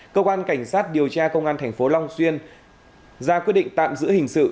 cơ quan cảnh sát điều tra công an thành phố long xuyên ra quyết định tạm giữ hình sự